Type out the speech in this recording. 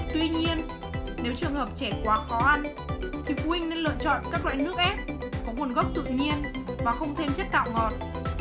tuy nhiên nếu trường hợp trẻ quá khó ăn thì phụ huynh nên lựa chọn các loại nước ép có nguồn gốc tự nhiên và không thêm chất tạo ngọt